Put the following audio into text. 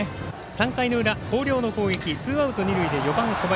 ３回の裏、広陵の攻撃ツーアウト、二塁で小林。